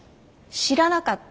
知らなかった？